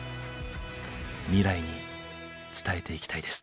未来に伝えていきたいです。